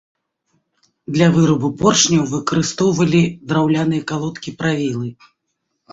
Для вырабу поршняў выкарыстоўвалі драўляныя калодкі-правілы.